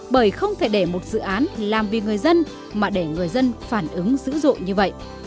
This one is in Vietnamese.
bởi không thể để một dự án làm vì người dân mà để người dân phản ứng dữ dội như vậy